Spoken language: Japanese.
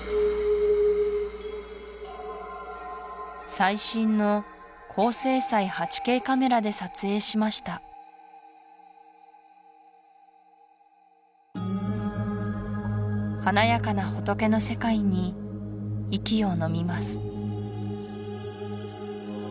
最新の高精細８Ｋカメラで撮影しました華やかな仏の世界に息をのみます